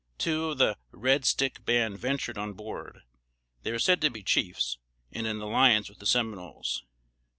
Two of the "Red Stick" band ventured on board; they were said to be chiefs, and in alliance with the Seminoles.